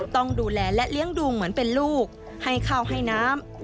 ต้องดูแลและเลี้ยงดูเหมือนเป็นลูกให้ข้าวให้น้ำ